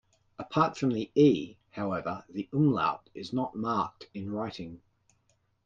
Apart from the "e", however, the umlaut is not marked in writing.